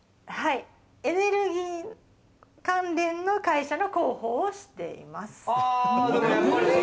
エネルギー関連の会社の広報をしています。